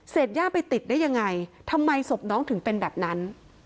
ย่าไปติดได้ยังไงทำไมศพน้องถึงเป็นแบบนั้น